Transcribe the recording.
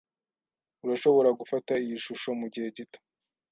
Urashobora gufata iyi shusho mugihe gito?